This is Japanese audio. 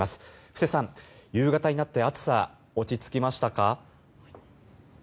布施さん、夕方になって暑さ、落ち着きましたか？